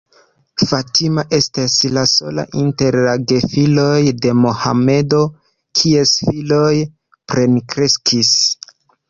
Fatima estis la sola inter la gefiloj de Mohamedo, kies filoj plenkreskis.